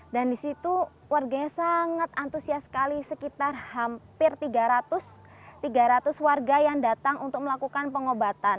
dan di situ warganya sangat antusias sekali sekitar hampir tiga ratus warga yang datang untuk melakukan pengobatan